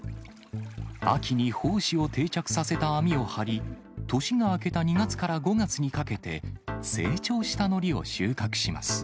秋に胞子を定着させた網を張り、年が明けた２月から５月にかけて、成長したノリを収穫します。